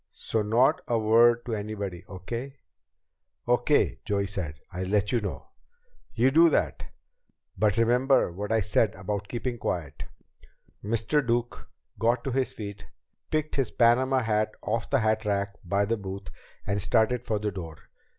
So not a word to anybody. Okay?" "Okay," Joey said. "I'll let you know." "You do that. But remember what I said about keeping quiet." Mr. Duke got to his feet, picked his Panama hat off the hatrack by the booth, and started for the door.